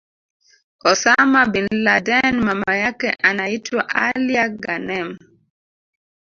Osama bin Laden Mama yake anaitwa Alia Ghanem